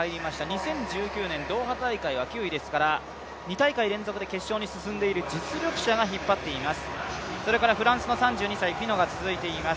２０１９年ドーハ大会は９位ですから、２大会連続で決勝に進んでいる実力者が引っ張っています。